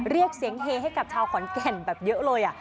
เรียกเสียงเฮให้กับชาวขอนแก่นแบบเยอะเลย